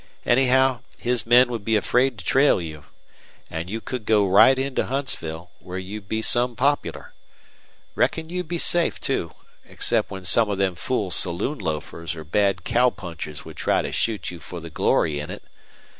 Anyhow, his men would be afraid to trail you. An' you could go right in to Huntsville, where you'd be some popular. Reckon you'd be safe, too, except when some of them fool saloon loafers or bad cowpunchers would try to shoot you for the glory in it.